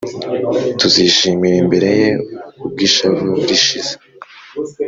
tuzishimir’ imbere ye, ubw’ ishavu rishize